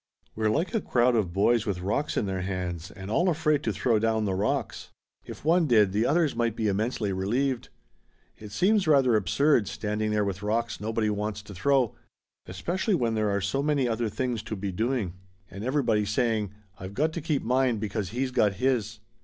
We're like a crowd of boys with rocks in their hands and all afraid to throw down the rocks. If one did, the others might be immensely relieved. It seems rather absurd, standing there with rocks nobody wants to throw especially when there are so many other things to be doing and everybody saying, 'I've got to keep mine because he's got his.'